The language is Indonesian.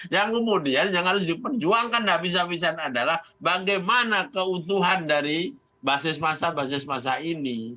yang kemudian yang harus diperjuangkan nggak bisa bisa adalah bagaimana keuntuhan dari basis masa basis masa ini